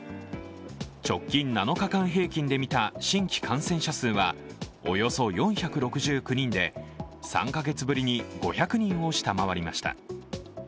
直近７日間平均で見た新規感染者数はおよそ４６９人で３カ月ぶりに５００人を下回りました。